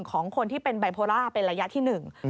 ของคนที่เป็นไบโพล่าเป็นระยะที่หนึ่ง